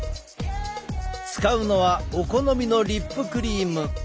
使うのはお好みのリップクリーム。